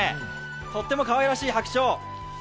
とってもかわいらしい白鳥。